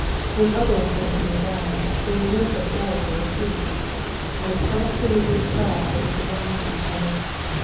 When others had to be aroused, there was no such orator as he. I was absolutely proud that we belonged to each other.